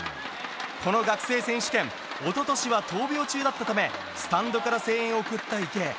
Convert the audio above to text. この学生選手権一昨年は闘病中だったためスタンドから声援を送った池江。